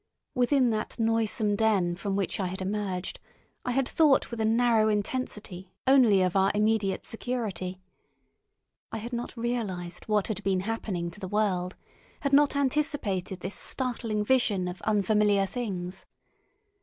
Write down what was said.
Within that noisome den from which I had emerged I had thought with a narrow intensity only of our immediate security. I had not realised what had been happening to the world, had not anticipated this startling vision of unfamiliar things.